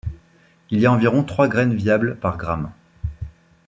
Il y a environ trois graines viables par gramme.